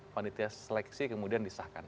panitia seleksi kemudian disahkan